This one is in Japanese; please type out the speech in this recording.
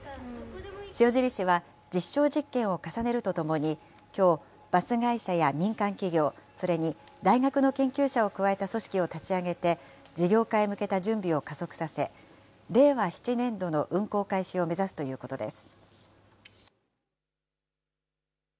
塩尻市は実証実験を重ねるとともに、きょう、バス会社や民間企業、それに大学の研究者を加えた組織を立ち上げて、事業化へ向けた準備を加速させ、令和７年度の運行開始を目指すということです。